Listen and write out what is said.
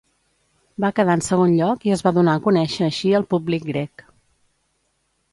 Va quedar en segon lloc i es va donar a conèixer així al públic grec.